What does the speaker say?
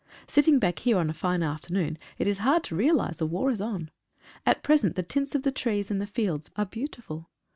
Sitting back here on a fine afternoon it is hard to realise a war is on. At present the tints of the trees and the fields are beautiful.